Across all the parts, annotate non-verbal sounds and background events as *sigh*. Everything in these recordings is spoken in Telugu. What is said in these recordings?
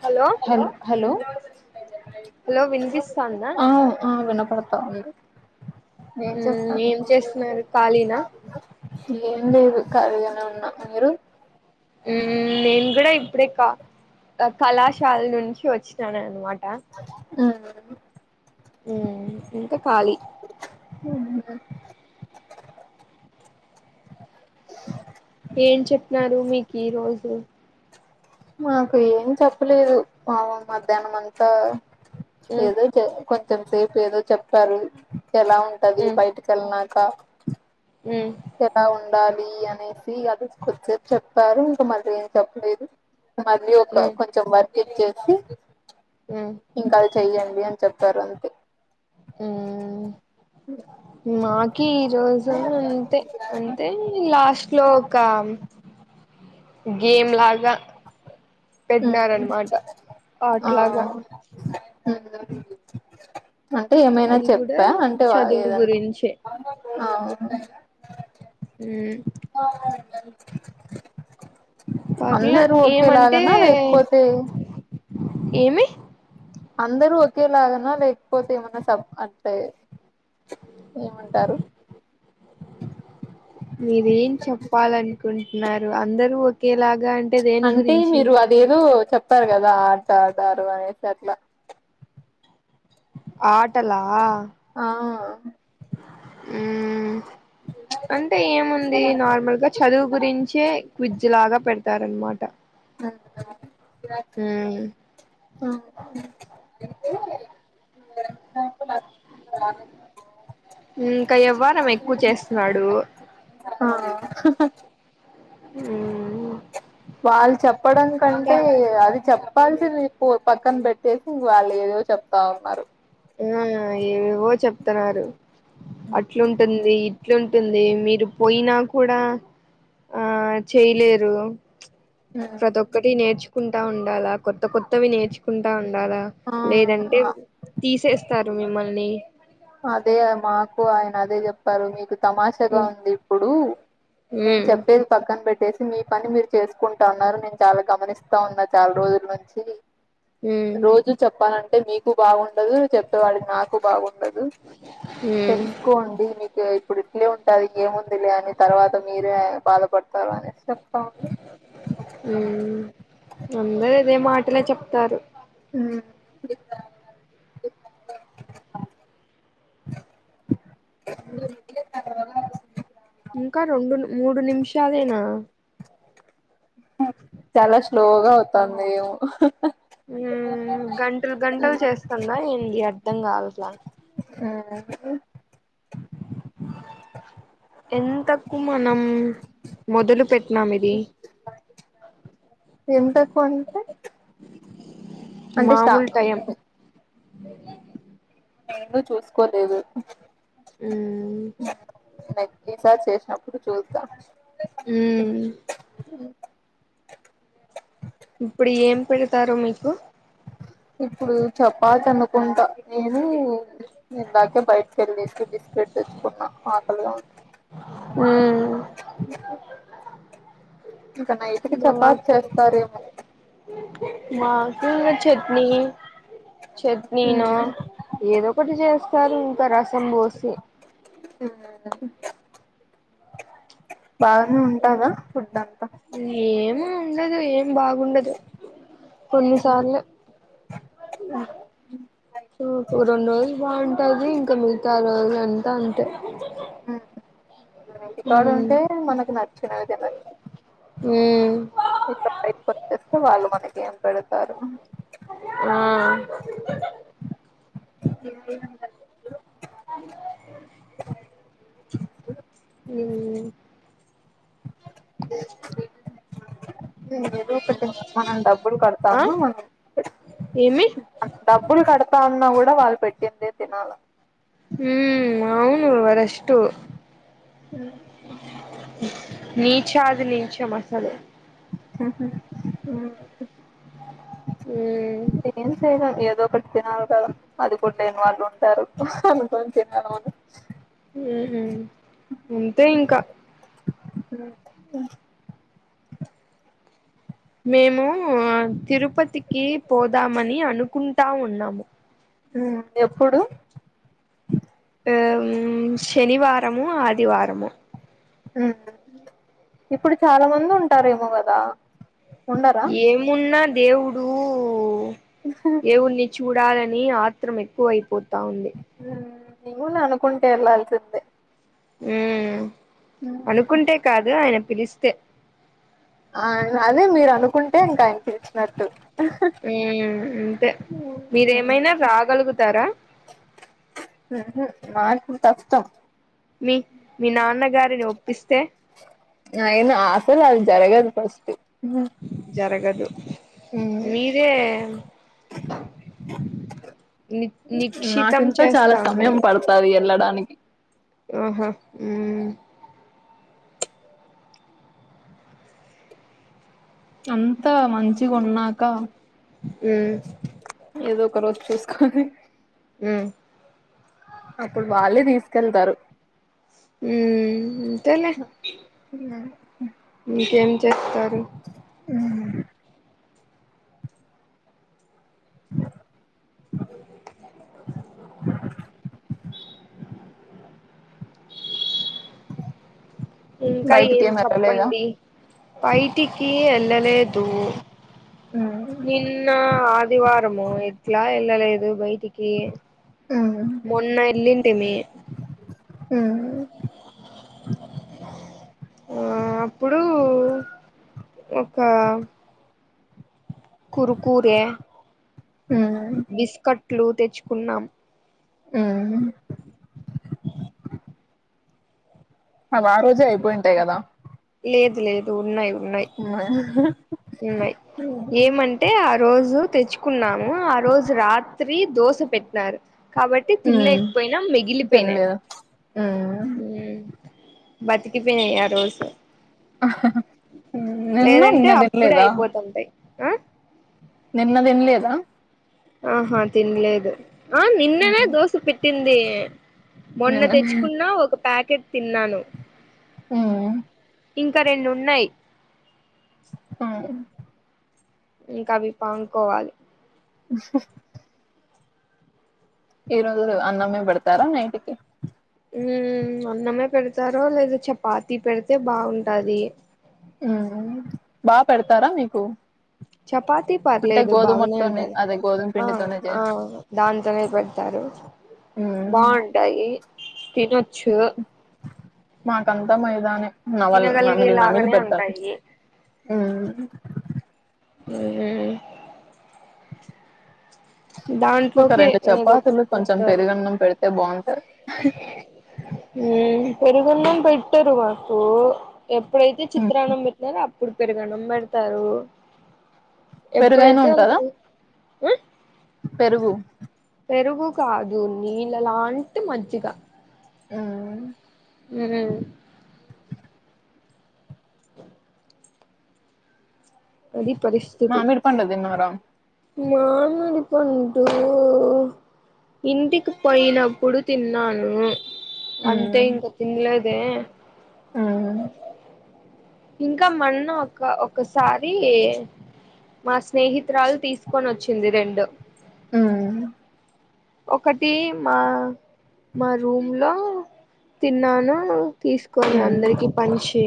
హలో హ హలో హలో వినిపిస్తాందా పడతంది ఉ ఏం చేస్తున్నారు కాళీనా ఏం లేదు ఖలిగానే ఉన్నా మీరు నేను కూడా ఇప్పుడే కళాశాల నుంచి వచ్చినాను అనమాట ఆ ఉ ఇంకా ఖాలీ అ ఏం చెప్నరు మీకు ఈ రోజు మాకు ఏం చెప్పలేదు మాకు మధ్యాహ్నం అంతా మ్మ్ ఏదో చె కొంచెం సేపు ఏదో చెప్పారు ఎలా ఉంటది మ్మ్ బయటికి వెళ్ళిన క మ్మ్ ఎలా ఉండాలి అనేసి అది కొద్ది సేపు చెప్పారు ఇంకా మళ్ళీ ఏం చెప్పలేదు మరి ఒక మ్మ్ కొంచెం వర్క్ ఇచ్చేసి మ్మ్ ఇంకా అది చెయ్యడి అని చెప్పారు అంతే హ్మ్ నాకి ఈ రోజు అంతే అంటే లాస్ట్ లో ఒక గేమ్ లాగా అంతే పెట్నారనమాట ఆ అట్లాగా అంటే ఏమైనా అది కూడా చెప్పా అంటే చదువు ఏదన్నా గురించే అ హ్మ్ ఆ పగల అందరూ ఏమంటే ఒకేలాగానా లేకపోతే ఏమి? అందరూ ఒకేలాగనా లేకపోతే ఎమన్నా సబ్ అంటే ఏమంటారు? మీరేం చెప్పాలనుకుంటున్నారు. అందరూ ఒకేలాగా అంటే దేని అంటే గురించి మీరు అదేదో చెప్తారు కదా ఆట ఆడారు అనేసి అట్లా. ఆటలా ఆ హ్ అంటే ఏముంది నార్మల్ గా చదువు గురించే క్విజ్జ్ లాగా పెడ తారనమాట ఇంకా ఎవ్వారం ఎక్కువ చేస్తున్నాడు. ఆ ఆ హ్ వాళ్ళు చెప్పడం కంటే అది చెప్ప ప్పాల్సింది పో పక్కన పెట్టేసి వాళ్ళు ఏదో చెప్తా ఉన్నారు. ఆ ఏవేవో చెప్తున్నారు. అట్లుంటుంది ఇట్లుంటుంది మీరు పోయినా కూడా ఆ చేయలేరు. ప్రతి ఒక్కటి నేర్చుకుంటా ఉండాల. కొత్త కొత్తవి నేర్చుకుంటా ఉం డాల ఆ లేదంటే తీసేస్తారు మిమ్మల్ని. అదే కదా మాకు ఆయన అదే చెప్పారు. మీకు తమాషగా ఉమ్ ఉంది ఇప్పుడు. నేను ఉమ్ చెప్పేది పక్కన పెట్టేసి మీ పని మీరు చేసుకుంటా ఉన్నారు, నేను చాలా గమనిస్తా ఉన్నా చాలా రోజుల నుంచి. రోజు చెప్పాలంటే మీకు బాగుండదు, చెప్పేవాడికి నాకు బాగుం డదు ఉమ్ తెలుసుకోండి మీకు ఇప్పుడు ఇట్లే ఉంటాది ఏముంది లే అని. తర్వాత మీరే బాధపడు పర్వాలే చెప్తా ఉంది. అదే మాటలే చెప్తారు. హ్ ఇంకా రెండు మూడు నిమిషాలేనా చాలా స్లోగా అవుతాంది ఎమో. గంటలు గంటలు చేస్తుందా ఏంది అర్ధం కాదసలా. ఎందుకు? ఎంతకు మనం మొదలు పెట్టినాం ఇది. *inaudible* ఎంతకు అంటే. అంటే స్టా మామూలు టయం నేను చూసుకోలేదు. హ్ నెక్ట్స్ ఈసారి చేసినప్పుడు చూద్దాం. హ్మ్ ఉమ్ ఇప్పుడు ఏం పెడతారు మీకు? ఇప్పుడు చపాతనుకుంటా నేనూ ఇందాకె బయటి కెళ్లేసి బిస్కెట్ తెచ్చుకున్నా ఆకలిగా ఉంటే *unintelligible* ఇంక నైట్ కి మా చపాత్ చేస్తారేమో మాకు ఇంగ ఛెట్నీ చట్నీనో ఏదోకటి చేస్తారు ఇంక రసం బోసి తిన్నా నా బాగనే ఉంటాదా ఫుడ్డంతా ఏం ఉండదు ఏం బాగుండదు, కొన్నిసార్లె ఉ ఉ ఉ రెండు రోజులు బాగుంట్ తాది ఇంక మిగతా రోజులు అంతా అంతే ఊహు ఇంటి కాడ మ్మ్ ఉంటే మనకు నచ్చినవి తినొచ్చు ఊ ఇట్లా బయట్కొచ్చేస్తే వాళ్ళు మనకేం పెడతారు ఆ *unintelligible* ఊ ఎదో ఒకటి మనం డబ్బులు ఆ కడతాన్ను మనం ఏమి డబ్బులు కడతా ఉన్నా గూడా వాళ్ళు పెట్టిందే తినాల మ్మ్ అవును వరెష్టు హ్మ్. నీఛాది నీఛం అసలు ఊహు మ్మ్ ఏం చేయ్యలేం ఏ ఏదో ఒకటి తినాలి కదా అది కూడ్లేని వాళ్ళుంటారు అనుకోని తినాలి మనం ఊహు అంతే ఇంక ఊ హు మేమూ తిరుపతికి పోదామని అనుకుంటా ఉన్నాము. ఊ ఎప్పుడు? ఉమ్ శనివారమో ఆదివారమో ఊహు ఇప్పుడు చాలా మంది ఉంటారేమో గదా ఏమున్నా దేవుడూ ఏవున్ని చూడాలని ఆత్రమెక్కువ అయిపోతా ఉంది నీవూ న అనుకుంటె ఎల్లాల్సిందే ఊ అనుకుంటే ఇక అదే ఆయన పిలిస్తే ఆ అదే మీరు అనుకుంటే ఇంకాయన పిల్చినట్టు ఊ అంతే మీరేమైనా రా గలుగుతారా? ఊహు నాకు కష్టం. మీ మీ నాన్నగారిని ఒప్పిస్తే అయిన అసలు అది జరగదు ఫస్టు ఊ జరగదు మీరే ని నిక్షితం నాకింక చాలా చేస్తా సమయం పడతాది ఎల్లడానికి ఆహొ ఊ అంతా మంచిగున్నాక ఊ ఏదో ఒక రోజు చూస్కొని ఊ అప్పుడు వాళ్ళే తీసుకెళ్తారు హ్మ్మ్ అంతేలే ఇంకేం చెత్తరు ఉహు ఇంకా బయటికి ఏం వెళ్ళలేదా చెప్పండి బైటికి వెళ్ళలేదు నిన్న ఆదివారము ఎట్లా ఏళ్లలేదు బైటికి మొన్న ఎల్లింటిమీ ఆ అప్పుడు ఒక కురుకురే హ క్లు తెచ్చుకున్నాం ఉహు అవి ఆరోజే అయిపోయింటాయి కదా లేదు లేదు ఉన్నాయి ఉన్నాయి ఉన్నాయి ఏమంటే ఆ రోజు తెచ్చుకున్నాము ఆ రోజు రాత్రి దోశ పెట్టినారు కాబట్టి ఉమ్ తినలేకపోయినా మిగిలిపోయినాయి తినలేదా ఉమ్ హు బతికిపోయినా ఆ రోజు నిన్న లేదంటే నిన్న అప్పుడే తినలేదా అయిపోతుంటాయి ఆ నిన్న తిన్లేద ఆహా తినలేదు ఆ నిన్ననే దోశ పెట్టింది మొన్న నిన్న తెచ్చుకున్న ఒక ప్యాకెట్ తిన్నాను ఆ ఇంకా రెండున్నాయి ఆ ఇంకా అవి పామ్కోవాలి ఈరోజు కూడా అన్నమే పెడతారా నైటికి ఉ అన్నమే పెడతారో లేదా చపాతీ పెడితే బాగుంటాది బా పెడతారా మీకు చపాతీ అంటే పర్లేదు బాగానే గోధుమలతోనే ఉంటది అదే గోధుమ ఆ పిండితోనే ఆ చేస్త దాంతోనే పెడతారు బాగుంటాయి తినొచ్చు మాకు అంత మైదానే నవల తినగలిగే నమిలి నమిలి లాగానే పెట్టాలా ఉంటాయి అ ఉ ఒక దాంట్లోకి రెండు ఏదో చపాతీలు కొంచెం పెరుగన్నం పెడితే బాగుంట హు పెరుగన్నం పెట్టరు మాకు ఎప్పుడైతే చిత్రాన్నం బెట్నారో అప్పుడు పెరుగన్నం బెడతారు పెరుగైనా ఎప్పుడైతే ఉంటదా వాళగు పెరుగు పెరుగు కాదు నీళ్ళలాంటి మజ్జిగ మ్మ్ నినే అది పరిస్థితి మామిడి పండు తిన్నారా మామిడి పండూ ఇంటికి పొయినప్పుడు తిన్నాను అంతే ఇంక తిన్లేదే ఆ ఇంకా మొన్న ఒక్క ఒక్కసారి మా స్నేహితురాలు తీసుకోనొచ్చింది రెండు మ్మ్ ఒకటి మా మా రూమ్ లో తిన్నాను తీసుకొని ఉమ్ అందరికి పంచి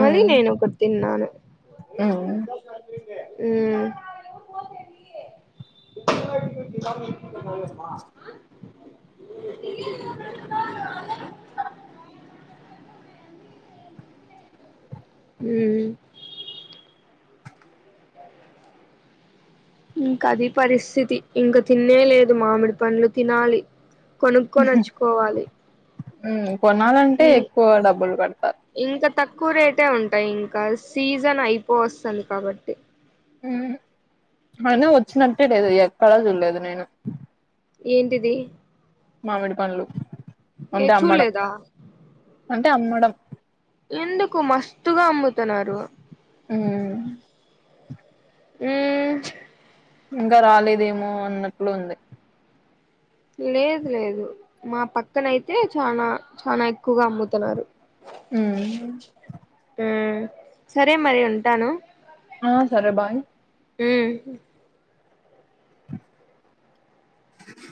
మళ్ళీ నేను ఒకటి తిన్నాను మ్మ్ మ్మ్ పోదమ్మ మ్మ్ ఇంక అది పరిస్థితి ఇంక తిన్లేలేదు మామిడి పండ్లు తినాలి కొనుక్కో నొచ్చుకోవాలి మ్మ్ కొనాలంటే ఎక్కువ డబ్బులు గడతా ఇంకా తక్కువ రేటే ఉంటాయి ఇంకా సీజన్ అయిపో వస్తుంది కాబట్టి అయినా వచ్చినట్టే లేదు ఎక్కడా చూడ్లేదు నేను ఏంటిది మామిడి పండ్లు ఏ అంటే అమ్మడం చూల్లేదా అంటే అమ్మడం ఎందుకు మస్తుగా అమ్ముతున్నారు మ్మ్ మ్మ్ ఇంగా రాలేదేమో అన్నట్లు ఉంది లేదు లేదు మా పక్కనయితే చానా చానా ఎక్కువగా అమ్ముతున్నారు ఊహు సరే మరి ఉంటాను ఆ సరే బాయ్ ఊహు *inaudible*